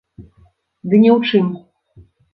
Ды не ў чым!